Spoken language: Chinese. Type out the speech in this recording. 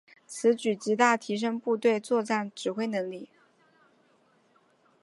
此举极大提升部队作战指挥能力。